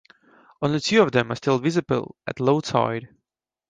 Only two of them are still visible at low tide.